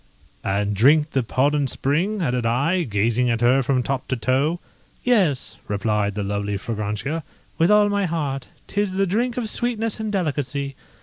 "And drink the Podhon spring?" added I, gazing at her from top to toe. "Yes," replied the lovely Fragrantia, "with all my heart; 'tis the drink of sweetness and delicacy.